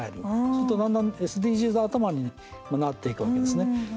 そうするとだんだんＳＤＧｓ頭になっていくわけですね。